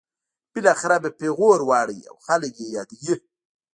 بالاخره په پیغور واړوي او خلک یې یادوي.